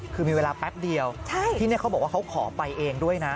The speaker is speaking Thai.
คือมีเวลาแป๊บเดียวที่นี่เขาบอกว่าเขาขอไปเองด้วยนะ